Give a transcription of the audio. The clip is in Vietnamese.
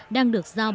đang được giải quyết